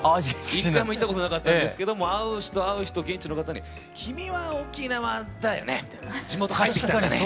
１回も行ったことなかったんですけども会う人会う人現地の方に「君は沖縄だよね。地元帰ってきたんだね」みたいな。